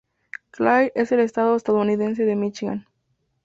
Clair en el estado estadounidense de Míchigan.